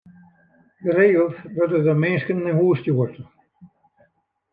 Geregeld wurde der minsken nei hûs ta stjoerd.